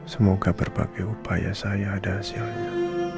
semoga berbagai upaya saya ada hasilnya